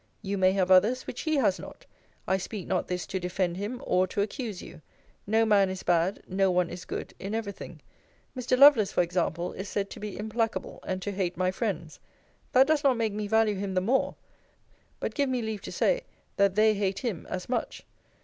You may have others, which he has not. I speak not this to defend him, or to accuse you. No man is bad, no one is good, in every thing. Mr. Lovelace, for example, is said to be implacable, and to hate my friends: that does not make me value him the more: but give me leave to say, that they hate him as much.